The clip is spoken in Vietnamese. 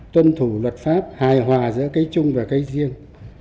tuân thủ luật pháp hài hòa giữa cái chung và cái riêng